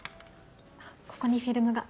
ここにフィルムが。